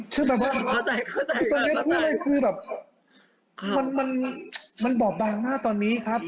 ชื่อแบบว่าเข้าใจเข้าใจคือแบบมันมันมันบอบบางมากตอนนี้ครับ